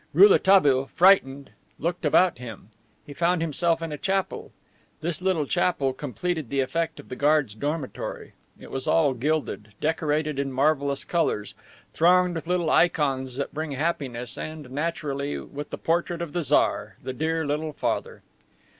Rouletabille, frightened, looked about him. He found himself in a chapel. This little chapel completed the effect of the guards' dormitory. It was all gilded, decorated in marvelous colors, thronged with little ikons that bring happiness, and, naturally, with the portrait of the Tsar, the dear Little Father.